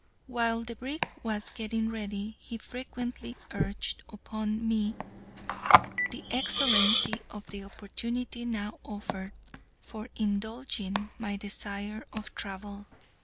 While the brig was getting ready, he frequently urged upon me the excellency of the opportunity now offered for indulging my desire of travel.